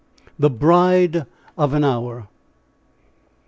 THE BRIDE OF AN HOUR.